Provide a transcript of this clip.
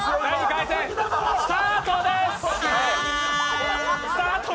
２回戦スタートです